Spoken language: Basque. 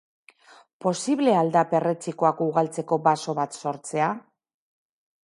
Posible al da perretxikoak ugaltzeko baso bat sortzea?